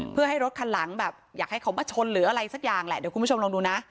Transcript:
เพื่อให้รถคันหลังแบบอยากให้เขามาชนหรืออะไรสักอย่างแหละเดี๋ยวคุณผู้ชมลองดูนะ